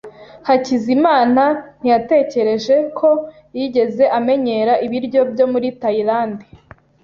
Hakizimana ntiyatekereje ko yigeze amenyera ibiryo byo muri Tayilande.